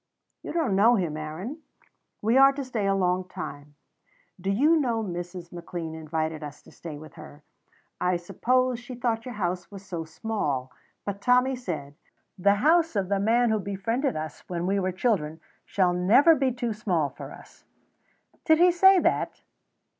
"You don't know him, Aaron. We are to stay a long time. Do you know Mrs. McLean invited us to stay with her? I suppose she thought your house was so small. But Tommy said, 'The house of the man who befriended us when we were children shall never be too small for us.'" "Did he say that?